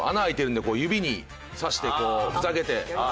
開いてるんで指にさしてこうふざけて。